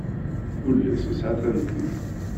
Kul ass isɛa tameddit.